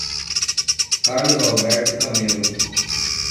Carlos Alberto Camelo